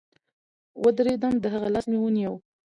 ودرېدم د هغه لاس مې ونيو.